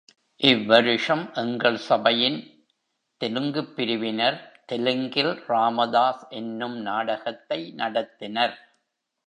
இவ்வருஷம் எங்கள் சபையின் தெலுங்குப் பிரிவினர் தெலுங்கில் ராமதாஸ் என்னும் நாடகத்தை நடத்தினர்.